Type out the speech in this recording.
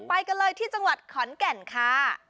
ไปกันเลยที่จังหวัดขอนแก่นค่ะ